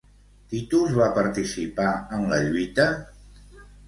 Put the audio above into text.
Titus va participar en la lluita?